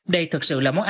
đây thật sự là món ăn